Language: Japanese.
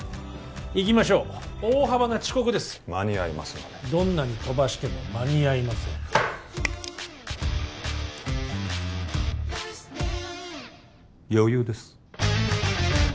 行きましょう大幅な遅刻です間に合いますのでどんなに飛ばしても間に合いません余裕です